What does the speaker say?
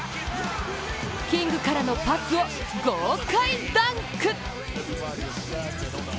キングからのパスを、豪快ダンク。